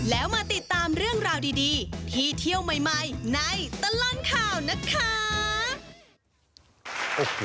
แล้วมาติดตามเรื่องราวดีที่เที่ยวใหม่ในตลอดข่าวนะคะ